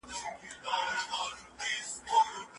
پلار به خپل نصيحت خلاص کړی وي.